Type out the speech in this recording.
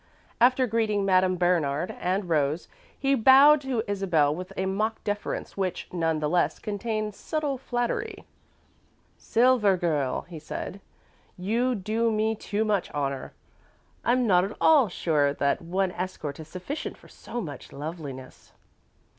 After greeting Madame Bernard and Rose, he bowed to Isabel, with a mock deference which, none the less, contained subtle flattery. "Silver Girl," he said, "you do me too much honour. I'm not at all sure that one escort is sufficient for so much loveliness."